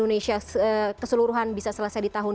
ini berarti target sebelumnya pemerintah untuk memvaksinasi orang